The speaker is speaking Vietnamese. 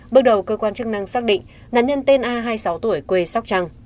bước đầu cơ quan chức năng xác định nạn nhân tên a hai mươi sáu tuổi quê sóc trăng